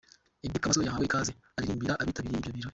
Eddy Kamoso yahawe ikaze aririmbira abitabiriye ibyo birori.